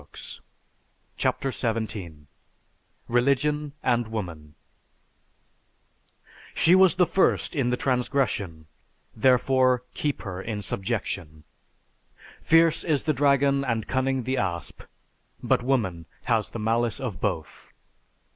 "_) CHAPTER XVII RELIGION AND WOMAN She was the first in the transgression therefore keep her in subjection. _Fierce is the dragon and cunning the asp; but woman has the malice of both.